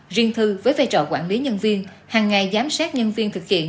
riêng thư với vai trò quản lý nhân viên hàng ngày giám sát nhân viên thực hiện